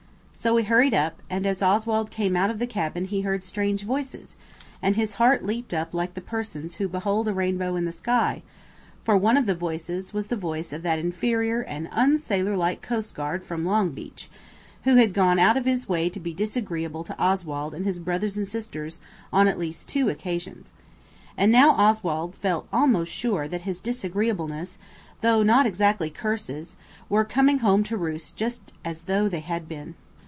So we hurried up, and as Oswald came out of the cabin he heard strange voices, and his heart leaped up like the persons who "behold a rainbow in the sky," for one of the voices was the voice of that inferior and unsailorlike coast guard from Longbeach, who had gone out of his way to be disagreeable to Oswald and his brothers and sisters on at least two occasions. And now Oswald felt almost sure that his disagreeablenesses, though not exactly curses, were coming home to roost just as though they had been.